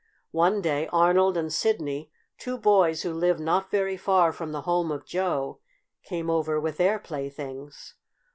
One day Arnold and Sidney, two boys who lived not very far from the home of Joe, came over with their playthings.